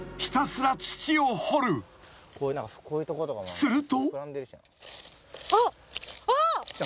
［すると］